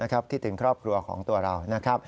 คิดถึงครอบครัวของตัวเรา